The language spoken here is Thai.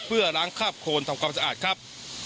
เพื่อล้างคาบโคนทำความสะอาดครับ